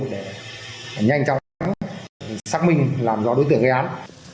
để nhanh chóng xác minh làm rõ đối tượng gây án